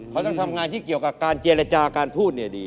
เขาต้องทำงานที่เกี่ยวกับการเจรจาการพูดเนี่ยดี